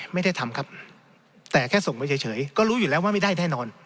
ไม่ได้ทำครับแต่แค่ส่งไปเฉยก็รู้อยู่แล้วว่าไม่ได้แน่นอน